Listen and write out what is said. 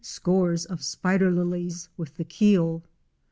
225 scores of spider lilies with the keel.